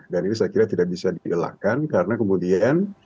dan ini saya kira tidak bisa dielakkan karena kemudian